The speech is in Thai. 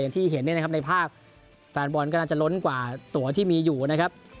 อย่างที่เห็นในภาพแฟนบอลก็น่าจะล้นกว่าตั๋วที่มีอยู่นะครับ